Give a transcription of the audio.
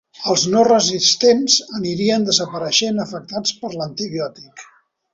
Els no resistents anirien desapareixent afectats per l'antibiòtic.